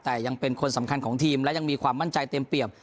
แต่ยังเป็นคนสำคัญของทีมและยังมีความมั่นใจเต็มเปรียบ